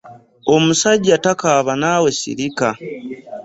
Omusajja takaaba naawe sirika.